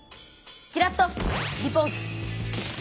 キラッとリポート！